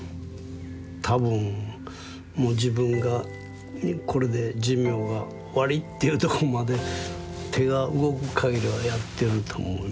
多分もう自分がこれで寿命が終わりっていうとこまで手が動くかぎりはやってると思いますね。